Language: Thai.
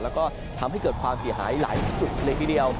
แล้วก็ทำให้เกิดความเสียหายหลายจุดเลยทีเดียว